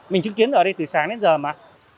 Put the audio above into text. mình chứng kiến ở đây từ sáng đến giờ mà